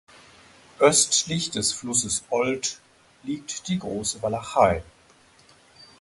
Östlich des Flusses Olt liegt die Große Walachei.